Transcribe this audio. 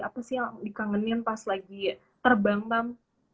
apa sih yang dikangenin pas lagi terbang tam